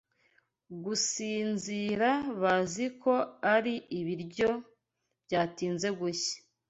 gusinzira bazi ko ari ibiryo byatinze gushya